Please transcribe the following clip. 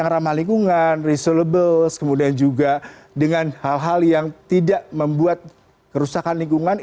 yang ramah lingkungan resolubles kemudian juga dengan hal hal yang tidak membuat kerusakan lingkungan